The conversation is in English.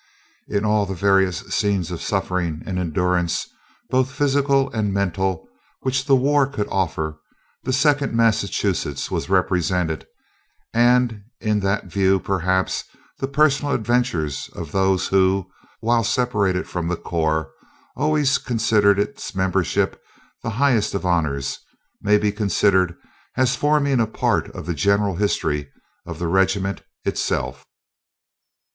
In all the various scenes of suffering and endurance, both physical and mental, which the war could offer, the Second Massachusetts was represented; and in that view, perhaps, the personal adventures of those who, while separated from the corps, always considered its membership the highest of honors, may be considered as forming part of the general history of the regiment itself.